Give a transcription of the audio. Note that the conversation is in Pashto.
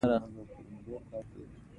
نظم ښه یادیږي او په اسانۍ ذهن ته سپارل کیږي.